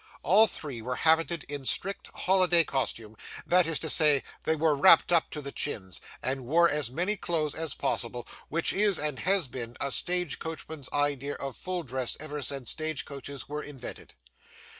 All three were habited in strict holiday costume; that is to say, they were wrapped up to the chins, and wore as many clothes as possible, which is, and has been, a stage coachman's idea of full dress ever since stage coaches were invented.